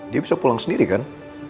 dia bisa pulang sendiri kan